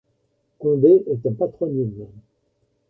Condé est un patronyme.